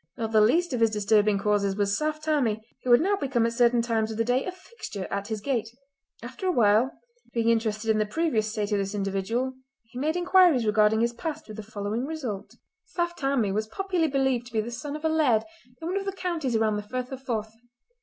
Not the least of his disturbing causes was Saft Tammie, who had now become at certain times of the day a fixture at his gate. After a while, being interested in the previous state of this individual, he made inquiries regarding his past with the following result. Saft Tammie was popularly believed to be the son of a laird in one of the counties round the Firth of Forth.